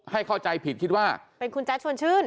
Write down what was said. เข้าใจผิดคิดว่าเป็นคุณแจ๊ดชวนชื่น